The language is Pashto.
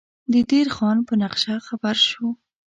د دیر خان په نقشه خبر شو.